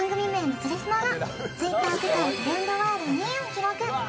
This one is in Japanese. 「それスノ」がＴｗｉｔｔｅｒ世界トレンドワード２位を記録。